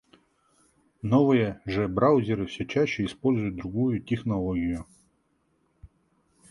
Новые же браузеры всё чаще используют другую технологию.